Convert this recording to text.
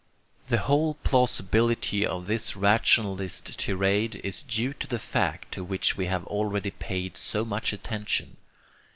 The whole plausibility of this rationalist tirade is due to the fact to which we have already paid so much attention.